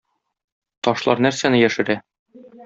Ташлар нәрсәне яшерә?